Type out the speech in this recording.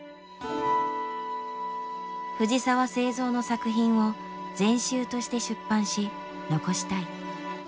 藤澤造の作品を全集として出版し残したい。